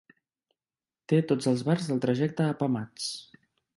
Té tots els bars del trajecte apamats.